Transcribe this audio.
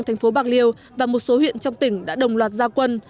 thành phố bạc liêu và một số huyện trong tỉnh đã đồng loạt gia quân